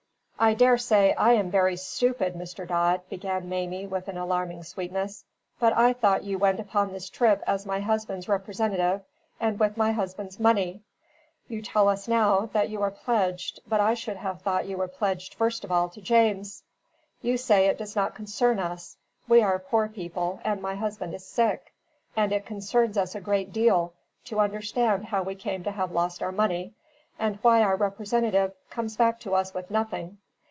"I daresay I am very stupid, Mr. Dodd," began Mamie, with an alarming sweetness, "but I thought you went upon this trip as my husband's representative and with my husband's money? You tell us now that you are pledged, but I should have thought you were pledged first of all to James. You say it does not concern us; we are poor people, and my husband is sick, and it concerns us a great deal to understand how we come to have lost our money, and why our representative comes back to us with nothing.